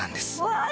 わあ！